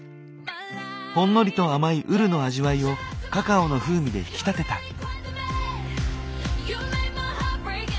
ほんのりと甘いウルの味わいをカカオの風味で引き立てた。